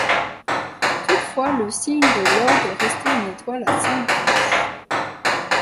Toutefois, le signe de l'ordre est resté une étoile à cinq branches.